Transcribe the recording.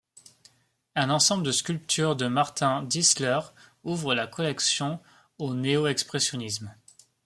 Un ensemble de sculptures de Martin Disler ouvre la collection au néo-expressionnisme.